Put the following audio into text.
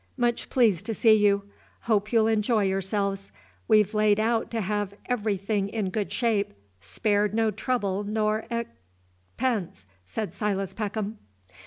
Much pleased to see you. Hope you'll enjoy yourselves. We've laid out to have everything in good shape, spared no trouble nor ex" "pence," said Silas Peckham.